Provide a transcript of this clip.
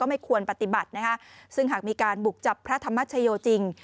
ไม่ควรปฏิบัตินะคะซึ่งหากมีการบุกจับพระธรรมชโยจริง